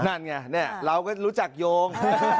นั่นไงเนี่ยเราก็รู้จักโยง